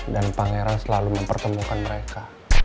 dan pangeran selalu mempertemukan mereka